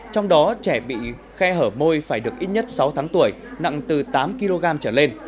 trong đó trẻ bị khe hở môi phải được ít nhất sáu tháng tuổi nặng từ tám kg trở lên